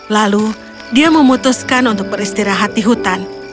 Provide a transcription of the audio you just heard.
lalu dia memutuskan untuk beristirahat di hutan